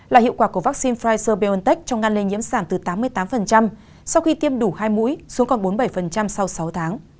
là hiệu quả của vaccine pfizer biontech trong ngăn lây nhiễm giảm từ tám mươi tám sau khi tiêm đủ hai mũi xuống còn bốn mươi bảy sau sáu tháng